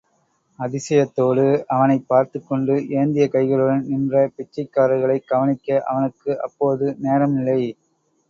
அதிசயத்தோடு அவனைப் பார்த்துக் கொண்டு, ஏந்திய கைகளுடன் நின்ற பிச்சைக் காரர்களைக் கவனிக்க அவனுக்கு அப்போது நேரமில்லை.